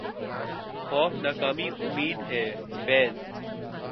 خوف ناکامئ امید ہے فیضؔ